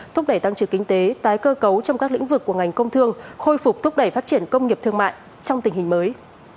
thúc đẩy tăng trưởng kinh tế tái cơ cấu trong các lĩnh vực của ngành công thương khôi phục thúc đẩy phát triển công nghiệp thương mại trong tình hình mới